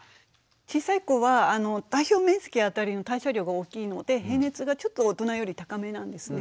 小さい子は体表面積あたりの代謝量が大きいので平熱がちょっと大人より高めなんですね。